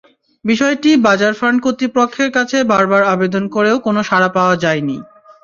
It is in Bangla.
বিষয়টি বাজার ফান্ড কর্তৃপক্ষের কাছে বারবার আবেদন করেও কোনো সাড়া পাওয়া যায়নি।